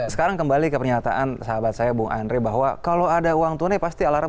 sekarang kembali ke pernyataan sahabat saya bung andre bahwa kalau ada uang tunai pasti alarm